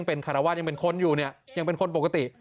เป็นคารวาสยังเป็นคนอยู่เนี่ยยังเป็นคนปกติ